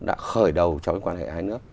đã khởi đầu cho cái quan hệ hai nước